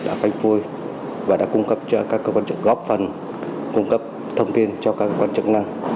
đã phanh phôi và đã cung cấp cho các cơ quan chức góp phần cung cấp thông tin cho các cơ quan chức năng